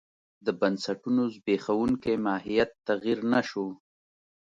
د بنسټونو زبېښونکی ماهیت تغیر نه شو.